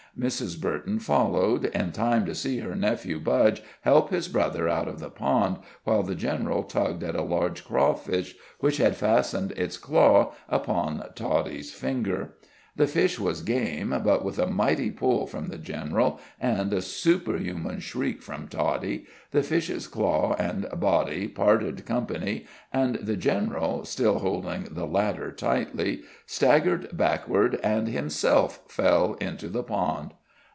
Mrs. Burton followed, in time to see her nephew Budge help his brother out of the pond, while the general tugged at a large crawfish which had fastened its claw upon Toddie's finger. The fish was game, but, with a mighty pull from the general, and a superhuman shriek from Toddie, the fish's claw and body parted company, and the general, still holding the latter tightly, staggered backward, and himself fell into the pond.